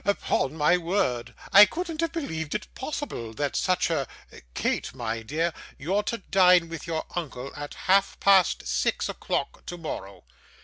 'Upon my word, I couldn't have believed it possible, that such a Kate, my dear, you're to dine with your uncle at half past six o'clock tomorrow.